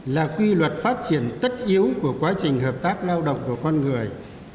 là quy luật phát triển tất yếu của quá trình hợp tác lao động của con người